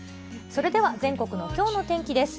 それでは全国のきょうの天気です。